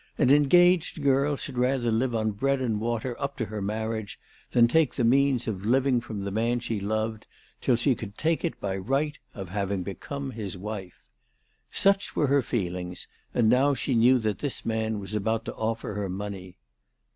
An engaged girl should rather live on bread and water up to her marriage, than take the means of living from the man she loved, till she could take it by right of having become his wife. Such were her feelings, and now she knew that this man was about to offer her money.